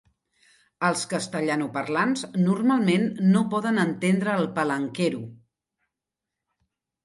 Els castellanoparlants normalment no poden entendre el palenquero.